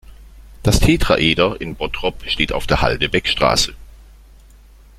Das Tetraeder in Bottrop steht auf der Halde Beckstraße.